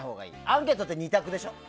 アンケートって、２択でしょ。